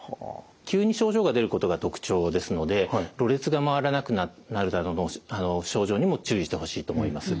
急に症状が出ることが特徴ですのでろれつがまわらなくなるなどの症状にも注意してほしいと思います。